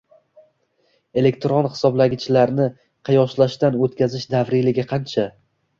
Elektron hisoblagichlarni qiyoslashdan o‘tkazish davriyligi qancha?